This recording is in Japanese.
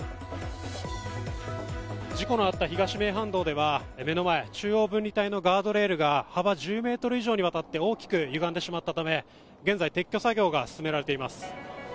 事故のあった東名阪道では、目の前、ガードレールが幅１０ｍ以上にわたって大きくゆがんでしまったため現在撤去作業が続けられています。